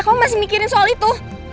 aku masih mikirin soal itu